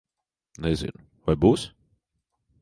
Nezinu. Vai būs?